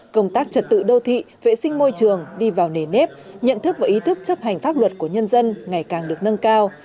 công tác trật tự đô thị vệ sinh môi trường đi vào nề nếp nhận thức và ý thức chấp hành pháp luật của nhân dân ngày càng được nâng cao